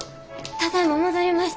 ただいま戻りました。